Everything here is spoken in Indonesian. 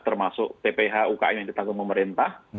termasuk pph ukm yang ditanggung pemerintah